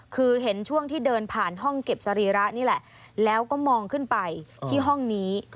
คือเห็นช่วงที่เดินผ่านห้องเก็บสรีระนี่แหละแล้วก็มองขึ้นไปที่ห้องนี้